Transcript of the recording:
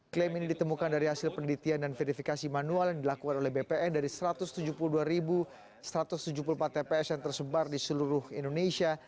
klaim ini ditemukan dari hasil penelitian dan verifikasi manual yang dilakukan oleh bpn dari satu ratus tujuh puluh dua satu ratus tujuh puluh empat tps yang tersebar di seluruh indonesia